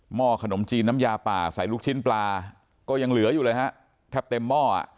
ห้อขนมจีนน้ำยาป่าใส่ลูกชิ้นปลาก็ยังเหลืออยู่เลยฮะแทบเต็มหม้ออ่ะ